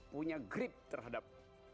punya grip terhadap